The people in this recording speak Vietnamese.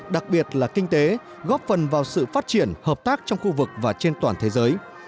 đặc biệt là kinh tế góp phần vào sự phát triển hợp tác trong khu vực và trên toàn thế giới